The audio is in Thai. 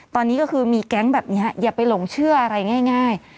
ตอนนี้ก็คือมีแก๊งแบบนี้อย่าไปหลงเชื่ออะไรง่าย